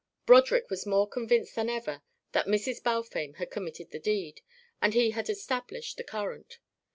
Broderick was more convinced than ever that Mrs. Balfame had committed the deed, and he had established the current.